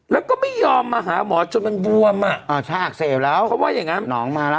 แล้วก็ไม่ยอมมาหาหมอจนมันบวมอ่ะอ่าถ้าอักเสบแล้วเขาว่าอย่างงั้นน้องมาแล้ว